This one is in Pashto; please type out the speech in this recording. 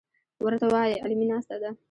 ورته وايه علمي ناسته ده.